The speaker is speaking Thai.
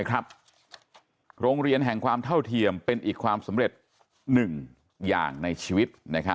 โรงเรียนแห่งความเท่าเทียมเป็นอีกความสำเร็จ๑อย่างในชีวิต